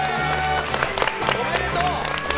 おめでとう！